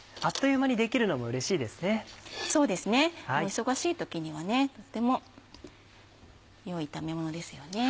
忙しい時にはとってもよい炒めものですよね。